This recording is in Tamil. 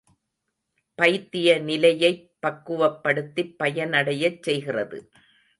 பைத்திய நிலையைப் பக்குவப்படுத்திப் பயனடையச் செய்கிறது.